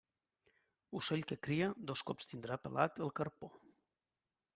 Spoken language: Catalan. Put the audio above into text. Ocell que cria, dos cops tindrà pelat el carpó.